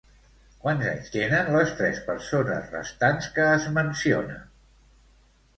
Quants anys tenen les tres persones restants que es menciona?